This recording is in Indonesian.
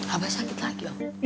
abah sakit lagi om